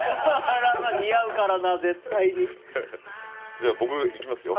じゃあ僕いきますよ。